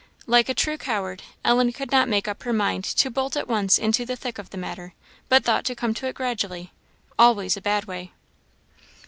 Like a true coward, Ellen could not make up her mind to bolt at once into the thick of the matter, but thought to come to it gradually always a bad way.